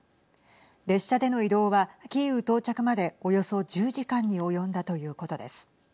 列車での移動はキーウ到着までおよそ１０時間に及んだということです。